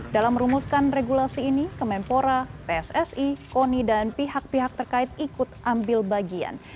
dalam merumuskan regulasi ini kemenpora pssi koni dan pihak pihak terkait ikut ambil bagian